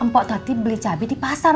pok tati beli cabai di pasar